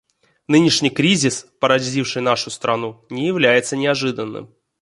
Нынешний кризис, поразивший нашу страну, не является неожиданным.